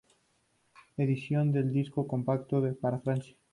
Edición de disco compacto para Francia